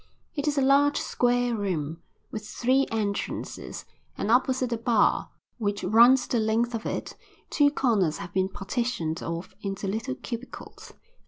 It is a large square room, with three entrances, and opposite the bar, which runs the length of it, two corners have been partitioned off into little cubicles.